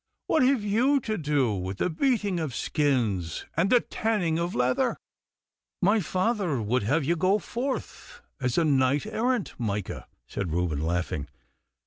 What have you to do with the beating of skins and the tanning of leather?' 'My father would have you go forth as a knight errant, Micah,' said Reuben, laughing.